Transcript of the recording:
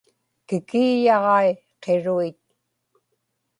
kikiiyaġai qiruit